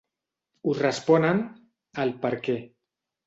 Us responen—el “Perquè”.